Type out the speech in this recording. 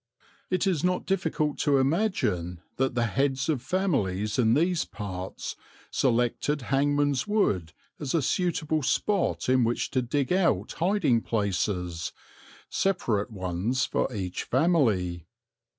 It is not difficult to imagine that the heads of families in these parts selected Hangman's Wood as a suitable spot in which to dig out hiding places, separate ones for each family.